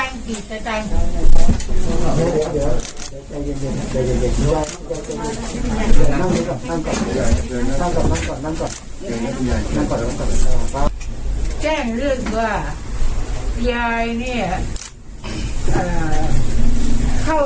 เงินหายไปเรื่อยหายไปเรื่อย